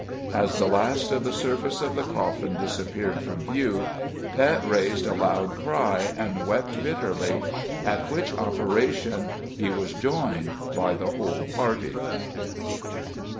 As the last of the surface of the coffin disappeared from view, Pet raised a loud cry and wept bitterly, at which operation he was joined by the whole party.